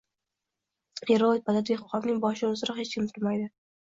Yevropada dehqonning boshi uzra hech kim turmaydi